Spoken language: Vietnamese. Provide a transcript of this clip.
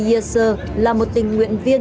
a e s r là một tình nguyện viên